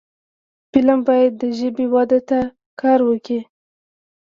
فلم باید د ژبې وده ته کار وکړي